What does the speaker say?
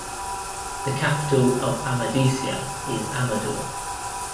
The capital of Amadicia is Amador.